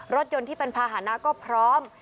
รถยนต์ที่เป็นภาษณะก็พร้อม